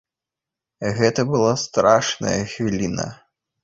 Гэта была страшная хвіліна.